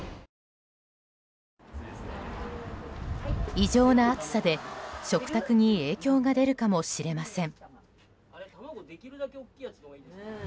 異常な暑さで、食卓に影響が出るかもしれません。